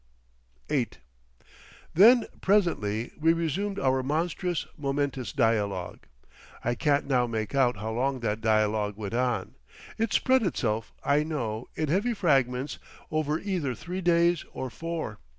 VIII Then presently we resumed our monstrous, momentous dialogue. I can't now make out how long that dialogue went on. It spread itself, I know, in heavy fragments over either three days or four.